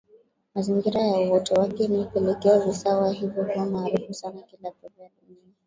Mazingira na uoto wake imepelekea visiwa hivyo kuwa maarufu sana kila pembe ya dunia